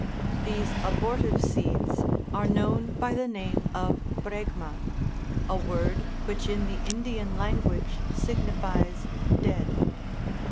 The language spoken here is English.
These abortive seeds are known by the name of " bregma/' a word which in the Indian language signifies " dead."